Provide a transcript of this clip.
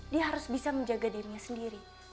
dia harus bisa menjaga dirinya sendiri